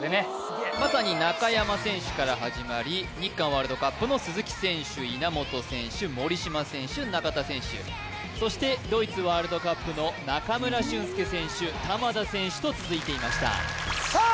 まさに中山選手から始まり日韓ワールドカップの鈴木選手稲本選手森島選手中田選手そしてドイツワールドカップの中村俊輔選手玉田選手と続いていましたさあ